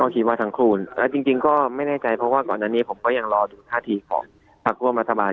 ที่คุณยิ่งชีพบอกคือว่าถ้าในรายละเอียดของเนื้อหา